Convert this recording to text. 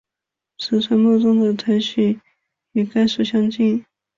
石莼目中的浒苔属与该属相近。